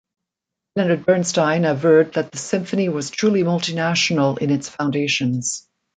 Leonard Bernstein averred that the symphony was truly multinational in its foundations.